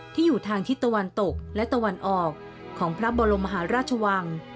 ที่อยู่ทางทิศตะวันตกและตะวันออกของพระบรมมหาราชวัง